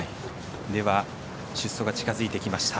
では、出走が近づいてきました。